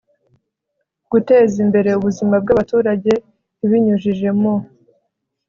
guteza imbere ubuzima bw abaturage ibinyujije mu